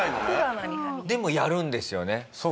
でもやるんですよね？